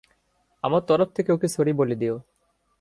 আমার তরফ থেকে ওকে সরি বলে দিও।